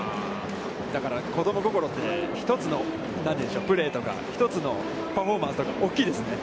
だから子供心って、１つのプレーとか、１つのパフォーマンスとか、大きいですね。